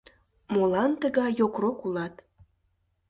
Молан тыгай йокрок улат